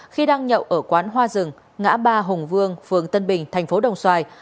khi đang nhậu ở quán hoa rừng ngã ba hồng vương phường tân bình tp đồng xoài